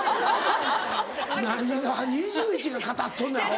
何が２１が語っとんねんアホ。